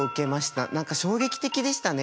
何か衝撃的でしたね。